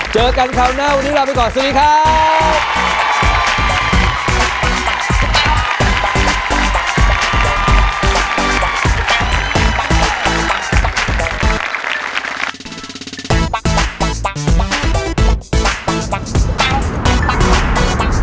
เจอกันคราวหน้าวันนี้ลาไปก่อนสวัสดีครับ